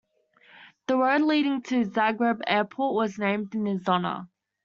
The road leading to Zagreb Airport was named in his honour.